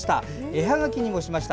絵はがきにもしました。